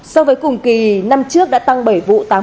sau với cùng kỳ năm trước đã tăng bảy vụ tàn nạn giao thông